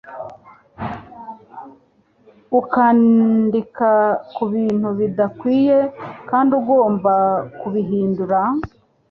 ukandika kubintu bidakwiye kandi ugomba kubihindura